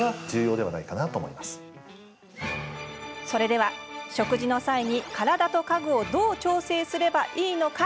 では食事の際に、体と家具をどう調整すればいいのか？